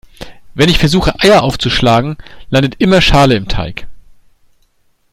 Wenn ich versuche Eier aufzuschlagen, landet immer Schale im Teig.